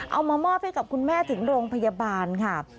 เอามามอบให้กับคุณแม่ถึงโรงพยาบาลค่ะ